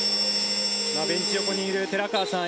ベンチ横にいる寺川さん